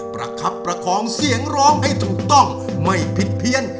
ประคับประคองเสียงร้องให้ถูกต้องไม่ผิดเพี้ยน